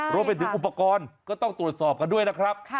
รวมไปถึงอุปกรณ์ก็ต้องตรวจสอบกันด้วยนะครับ